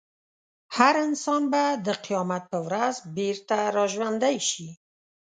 هر انسان به د قیامت په ورځ بېرته راژوندی شي.